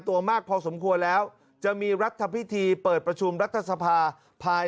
ตัวมากพอสมควรแล้วจะมีรัฐพิธีเปิดประชุมรัฐสภาภาย